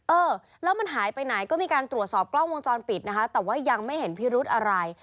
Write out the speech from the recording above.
เออแล้วมันหายไปไหนก็มีการตรวจสอบกล้องวงจรปิดนะคะแต่ว่ายังไม่เห็นพิรุธอะไร